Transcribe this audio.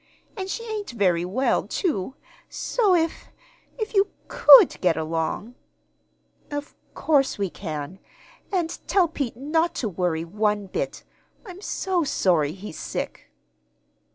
And she ain't very well, too. So if if you could get along " "Of course we can! And tell Pete not to worry one bit. I'm so sorry he's sick!"